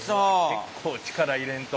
結構力入れんと。